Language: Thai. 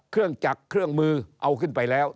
เครื่องจักรเครื่องมือเอาขึ้นไปแล้ว